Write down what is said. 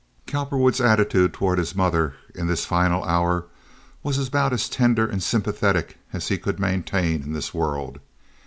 Cowperwood's attitude toward his mother in this final hour was about as tender and sympathetic as any he could maintain in this world.